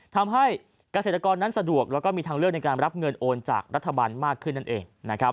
ทำให้เกษตรกรนั้นสะดวกแล้วก็มีทางเลือกในการรับเงินโอนจากรัฐบาลมากขึ้นนั่นเองนะครับ